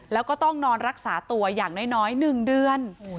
แล้วก็ต้องนอนรักษาตัวอย่างน้อย๑เดือน